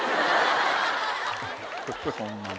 ホンマな。